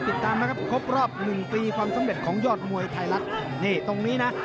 ติดตามนะครับครบรอบหนึ่งปีความสำเร็จของยอดมวยไทยรัฐนี่ตรงนี้นะ